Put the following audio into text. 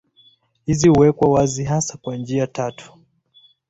Hizi huwekwa wazi hasa kwa njia tatu.